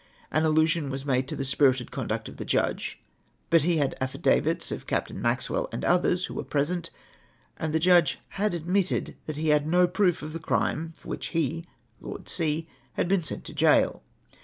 An allusion was made to the spirited conduct of the Judge ; but he had affidavits of Captain Maxwell and others, who were present, that the Judge had admitted that he had no proof of the crime for which he (Lord C.) had been sent to gaol.